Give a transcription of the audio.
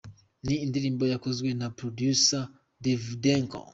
Ni indirimbo yakozwe na Producer Davydenko.